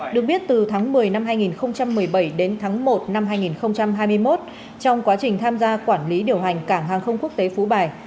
được biết từ tháng một mươi năm hai nghìn một mươi bảy đến tháng một năm hai nghìn hai mươi một trong quá trình tham gia quản lý điều hành cảng hàng không quốc tế phú bài